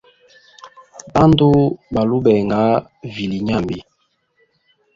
Bandu balu benga vilye nyambi.